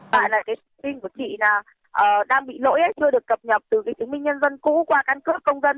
tại là cái thông tin của chị đang bị lỗi chưa được cập nhật từ cái thông tin nhân dân cũ qua căn cước công dân nhé